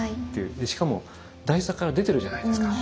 でしかも台座から出てるじゃないですか。